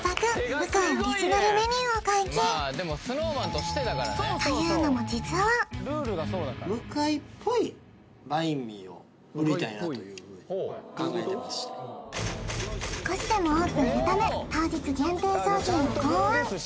向井オリジナルメニューを解禁というのも実はなというふうに考えてまして少しでも多く売るため当日限定商品を考案